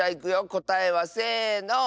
こたえはせの。